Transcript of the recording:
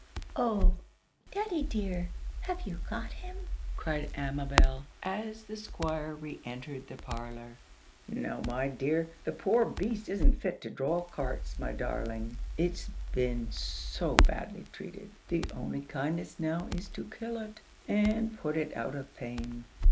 "Oh, daddy dear! have you got him?" cried Amabel, as the Squire re entered the parlor. "No, my dear; the poor beast isn't fit to draw carts, my darling. It's been so badly treated, the only kindness now is to kill it, and put it out of pain.